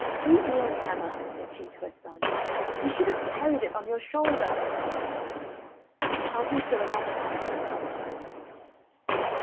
"You ninney hammer," said she to her son; "you should have carried it on your shoulder." "I'll do so another time," replied Jack.